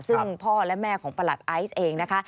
ซึ่งพ่อและแม่ของประหลัดไอซ์เองนะคะ